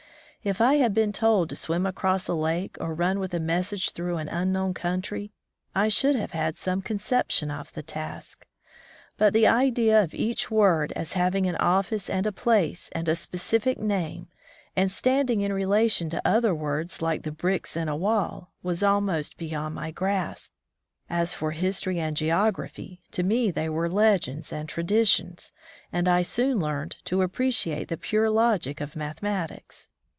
If I had been told to swim across a lake, or run with a message 54 College Life in the West through an unknown coimtry, I should have had some conception of the task; but the idea of each word as having an office and a place and a specific name, and standing in relation to other words like the bricks in a wall, was almost beyond my grasp. As for history and geography, to me they were legends and traditions, and I soon learned to appreciate the pure logic of mathematics.